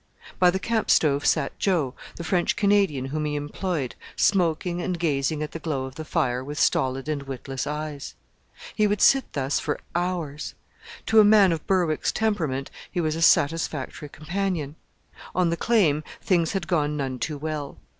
By the camp stove sat Joe, the French Canadian whom he employed, smoking and gazing at the glow of the fire with stolid and witless eyes. He would sit thus for hours; to a man of Berwick's temperament he was a satisfactory companion. On the Claim things had gone none too well.